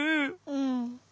うん。